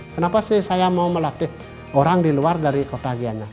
kenapa sih saya mau melatih orang di luar dari kota giana